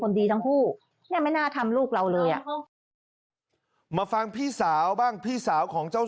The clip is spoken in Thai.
โดยที่ไม่ต้องกู้ที่ยืมสินไทยมาแต่งของมัน